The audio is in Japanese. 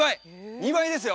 ２倍ですよ！